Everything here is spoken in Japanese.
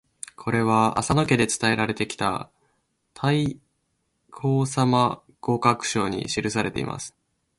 これは浅野家で伝えられてきた「太閤様御覚書」に記されています。